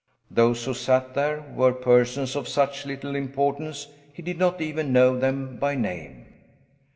Those who sat there were persons of such little importance he did not even know them by name.